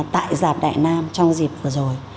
tại dạp đại nam trong dịp vừa rồi